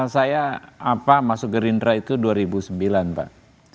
saya apa masuk gerindra itu dua ribu sembilan pak